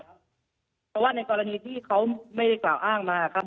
เพราะว่าในกรณีที่เขาไม่ได้กล่าวอ้างมาครับ